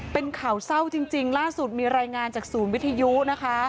เป็นข่าวเศร้าจริงล่าสุดมีรายงานจากศูนย์วิทยุนะคะ